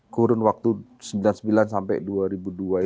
kurun waktu sembilan puluh sembilan sampai